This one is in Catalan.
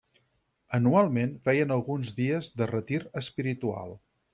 Anualment, feien alguns dies de retir espiritual.